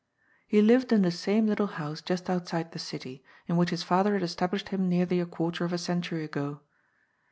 He lived in the same little house just outside the city, in which his father had established him nearly a quarter of a century ago.